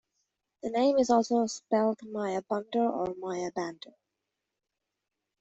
The name is also spelled Maya Bunder or Maya Bandar.